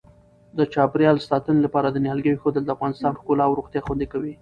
د چاپیریال ساتنې لپاره د نیالګیو اېښودل د افغانستان ښکلا او روغتیا خوندي کوي.